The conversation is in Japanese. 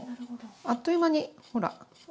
あっという間にほら。